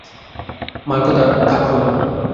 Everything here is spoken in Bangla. মার কথা থাক রমা।